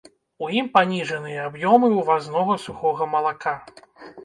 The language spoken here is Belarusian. У ім паніжаныя аб'ёмы ўвазнога сухога малака.